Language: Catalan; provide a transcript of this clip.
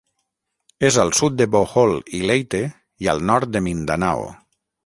És al sud de Bohol i Leyte i al nord de Mindanao.